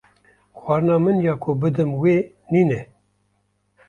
Xwarina min ya ku bidim we nîne.